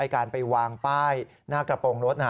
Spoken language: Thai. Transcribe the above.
การไปวางป้ายหน้ากระโปรงรถ